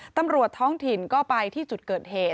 ตำรวจท้องถิ่นก็ไปที่จุดเกิดเหตุ